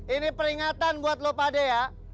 ini peringatan buat lo pade ya